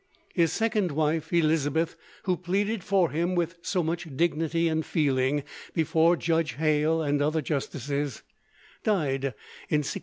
His second wife, Elisabeth, who pleaded for him with so much dignity and feeling before Judge Hale and other justices, died in 1692.